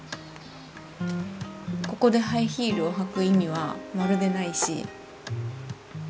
ここでハイヒールを履く意味はまるでないし。